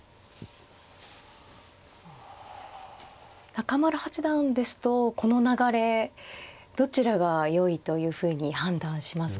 中村八段ですとこの流れどちらがよいというふうに判断しますか。